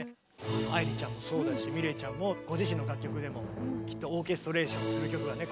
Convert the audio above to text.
愛理ちゃんもそうだしｍｉｌｅｔちゃんもご自身の楽曲でもきっとオーケストレーションする曲がね